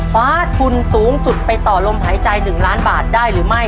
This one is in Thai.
คว้าทุนสูงสุดไปต่อลมหายใจ๑ล้านบาทได้หรือไม่